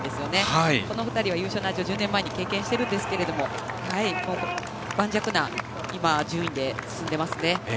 この２人は優勝を１０年前に経験しているんですけども盤石な順位で進んでいますね。